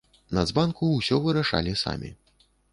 Нацбанку ўсё вырашалі самі.